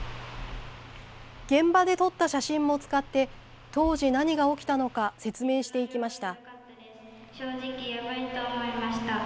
現場で撮った写真を使って当時何が起きたのか説明していきました。